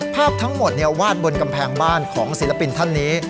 ภาพทั้งหมดวาดบนกำแพงบ้านของศิลปินท่านนี้